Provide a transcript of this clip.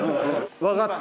分かった。